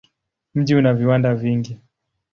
Mji una viwanda vingi.